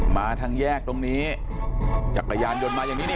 มาทางแยกตรงนี้จักรยานยนต์มาอย่างนี้นี่